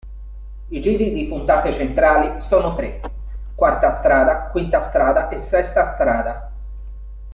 I giri di puntate centrali sono tre: "quarta strada, quinta strada e sesta strada.